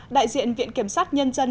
đại diện viện kiểm sát nhân dân